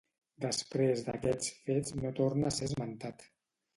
Després d’aquests fets no torna a ser esmentat.